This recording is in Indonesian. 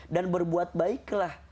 dan berbuat baiklah